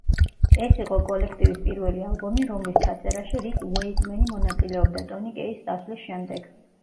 ეს იყო კოლექტივის პირველი ალბომი, რომლის ჩაწერაში რიკ უეიკმენი მონაწილეობდა, ტონი კეის წასვლის შემდეგ.